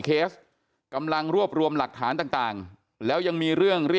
เพราะทนายอันนันชายชายเดชาบอกว่าจะเป็นการเอาคืนยังไง